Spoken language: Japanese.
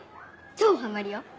超ハマるよ。